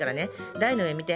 台の上見て。